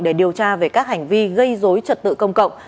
để điều tra về các hành vi gây dối trật tự công cộng